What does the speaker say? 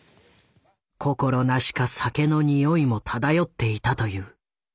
心なしか酒のにおいも漂っていたという。